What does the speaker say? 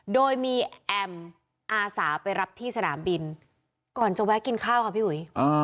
โดยมีแอมอาสาไปรับที่สนามบินก่อนจะแวะกินข้าวค่ะพี่อุ๋ย